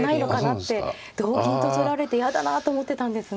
同銀と取られて嫌だなと思ってたんですが。